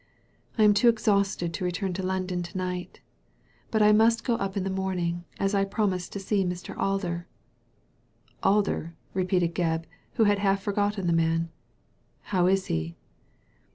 I am too exhausted to return to London to night But I must go up in the morning, as I promised to see Mn Alder. ^ Alder? " repeated Gebb, who had half forgotten the man; "how is he?"